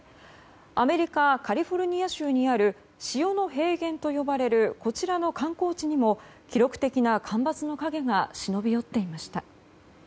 アメリカ・カリフォルニア州にある塩の平原と呼ばれるこちらの観光地にも記録的な干ばつの影が忍び寄っていました。